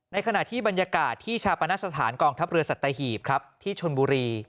ขณะที่บรรยากาศที่ชาปนสถานกองทัพเรือสัตหีบครับที่ชนบุรี